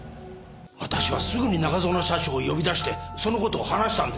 私はすぐに中園社長を呼び出してその事を話したんです。